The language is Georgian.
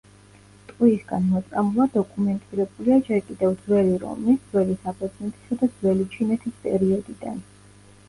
ტყვიისგან მოწამვლა დოკუმენტირებულია ჯერ კიდევ ძველი რომის, ძველი საბერძნეთისა და ძველი ჩინეთის პერიოდიდან.